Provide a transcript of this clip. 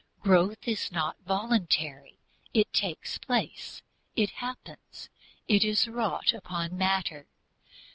Growth is not voluntary; it takes place, it happens, it is wrought upon matter.